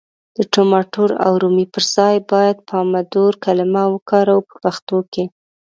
د ټماټر او رومي پر ځای بايد پامدور کلمه وکاروو په پښتو کي.